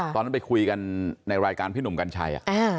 ตอนนั้นไปคุยกันในรายการพี่หนุ่มกัญชัย